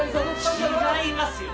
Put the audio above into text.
違いますよ！